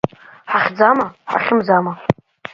Ҳахьӡама, ҳахьымӡама?